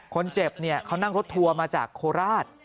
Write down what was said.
คนเจ็บเขานั่งรถทัวร์มาจากโคราช